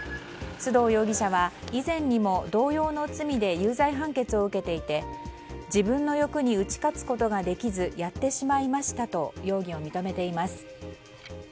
須藤容疑者は以前にも同様の罪で有罪判決を受けていて自分の欲に打ち勝つことができずやってしまいましたと容疑を認めています。